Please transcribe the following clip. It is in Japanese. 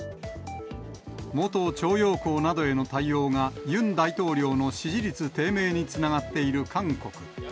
元徴用工などへの対応が、ユン大統領の支持率低迷につながっている韓国。